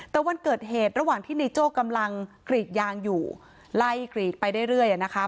แต่วันเกิดเหตุระหว่างที่ในโจ้กำลังกรีดยางอยู่ไล่กรีดไปเรื่อยนะคะ